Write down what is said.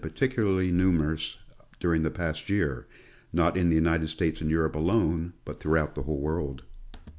ticularly numerous during the past year — not in the United States and Europe alone, but throughout the whole world.